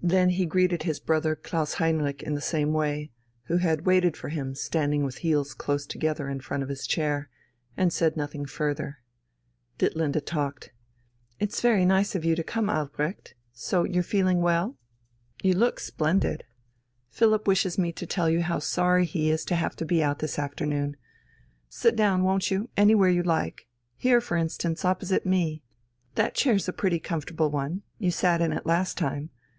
Then he greeted his brother Klaus Heinrich in the same way, who had waited for him standing with heels close together in front of his chair and said nothing further. Ditlinde talked. "It's very nice of you to come, Albrecht. So you're feeling well? You look splendid. Philipp wishes me to tell you how sorry he is to have to be out this afternoon. Sit down, won't you, anywhere you like here, for instance, opposite me. That chair's a pretty comfortable one, you sat in it last time.